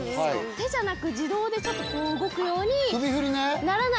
手じゃなく自動でちょっとこう動くようにならない。